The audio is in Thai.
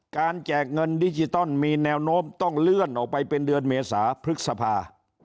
แจกเงินดิจิตอลมีแนวโน้มต้องเลื่อนออกไปเป็นเดือนเมษาพฤษภา